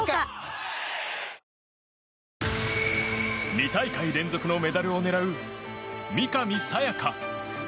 ２大会連続のメダルを狙う三上紗也可。